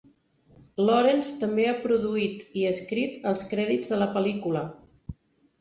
Lawrence també ha produït i escrit els crèdits de la pel·lícula.